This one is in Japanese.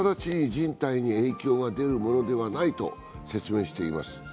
人体に影響が出るものではないと説明しています。